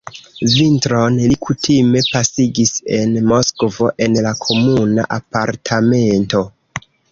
Vintron li kutime pasigis en Moskvo, en la komuna apartamento.